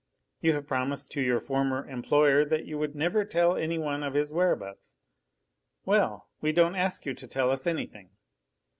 You have promised to your former employer that you would never tell anyone of his whereabouts. Well! we don't ask you to tell us anything.